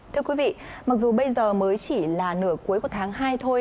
thưa quý vị mặc dù bây giờ mới chỉ là nửa cuối của tháng hai thôi